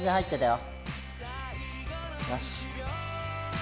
よし。